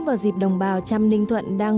vào dịp đồng bào trăm ninh thuận đang